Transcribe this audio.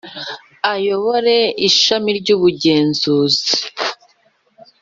Ayobore ishami ry ubugenzuzi